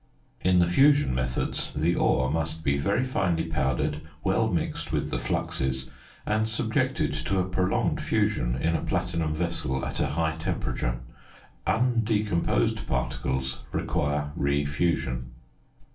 In the fusion methods the ore must be very finely powdered, well mixed with the fluxes, and subjected to a prolonged fusion in a platinum vessel at a high temperature. Undecomposed particles require re fusion.